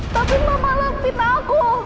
tapi mbak malah pita aku